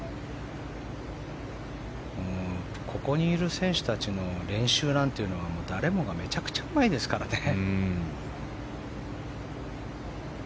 ここにいる選手たちの練習なんていうのは誰もがめちゃくちゃうまいですからね。